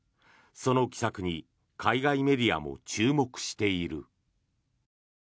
その奇策に海外メディアも注目している。